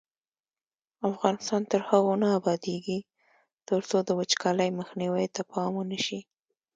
افغانستان تر هغو نه ابادیږي، ترڅو د وچکالۍ مخنیوي ته پام ونشي.